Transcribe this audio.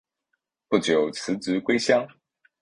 不久辞职归乡。